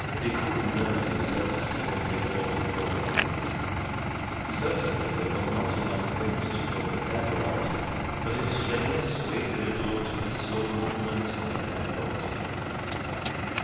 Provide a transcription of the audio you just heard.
Decoud nerved himself for the effort of rowing. Certainly there was not enough wind to blow the candle out, but its flame swayed a little to the slow movement of the heavy boat.